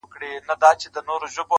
ټولنه د اصلاح اړتيا لري ډېر